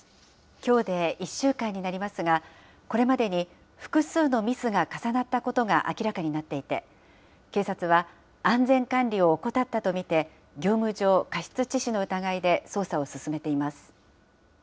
きょうで１週間になりますが、これまでに複数のミスが重なったことが明らかになっていて、警察は、安全管理を怠ったと見て、業務上過失致死の疑いで捜査を進めています。